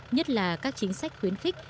nhất là các chính sách khuyến khích